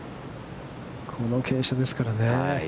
この傾斜ですからね。